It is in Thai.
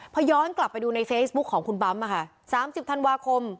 พอย้อนกลับไปดูในเฟซบุ๊คของคุณปั๊ม๓๐ธันวาคม